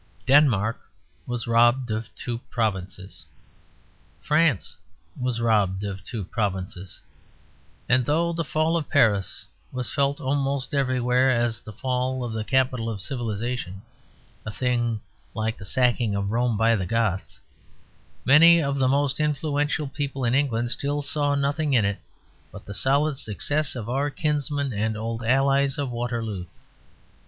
Denmark was robbed of two provinces; France was robbed of two provinces; and though the fall of Paris was felt almost everywhere as the fall of the capital of civilization, a thing like the sacking of Rome by the Goths, many of the most influential people in England still saw nothing in it but the solid success of our kinsmen and old allies of Waterloo.